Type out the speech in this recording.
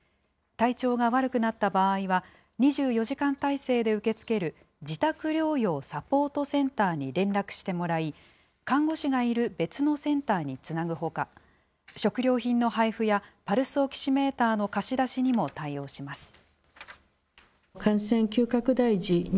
体調が悪くなった場合は、２４時間態勢で受け付ける自宅療養サポートセンターに連絡してもらい、看護師がいる別のセンターにつなぐほか、食料品の配布やパルスオキシメーターの貸し出しにも対応します。